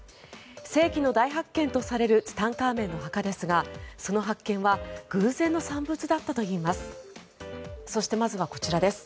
世紀の大発見とされるツタンカーメンの墓ですがその発見は偶然の産物だったといいます。